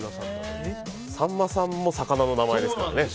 さんまさんも魚の名前ですからね。